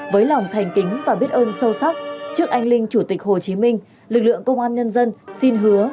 với lòng thành kính và biết ơn sâu sắc trước anh linh chủ tịch hồ chí minh lực lượng công an nhân dân xin hứa